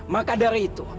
maka dari itu